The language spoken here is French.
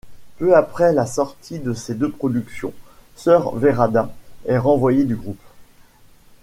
Peu après la sortie de ces deux productions, Sir Verada est renvoyé du groupe.